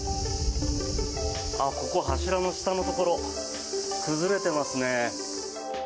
ここ、柱の下のところ崩れてますね。